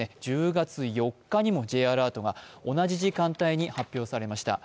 １０月４日にもＪアラートが同じ時間帯に発表されました。